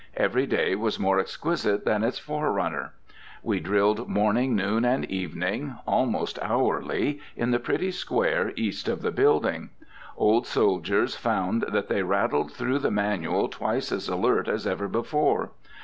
Every day was more exquisite than its forerunner. We drilled morning, noon, and evening, almost hourly, in the pretty square east of the building. Old soldiers found that they rattled through the manual twice as alert as ever before.